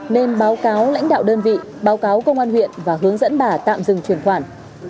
nên báo cáo lãnh đạo đơn vị báo cáo công an huyện và hướng dẫn bà tạm dừng chuyển khoản